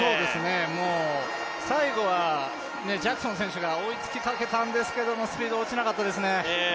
もう、最後はジャクソン選手が追いつきかけたんですけどスピード、落ちなかったですね。